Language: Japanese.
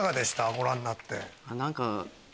ご覧になって。